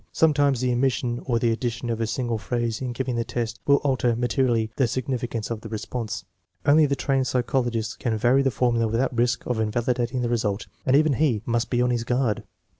Some times the omission or the addition of a single phrase in giving the test will alter materially the significance of the response. Only the trained psychologist can vary the for mula without risk of invalidating the result, and even he must be on his guard.